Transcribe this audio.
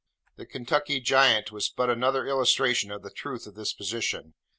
The Kentucky Giant was but another illustration of the truth of this position.